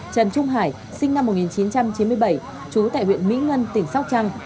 trần trung hải sinh năm một nghìn chín trăm chín mươi bảy trú tại huyện mỹ ngân tỉnh sóc trăng